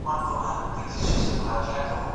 سرمایه داري نظام د غریبانو په وینه جوړیږي.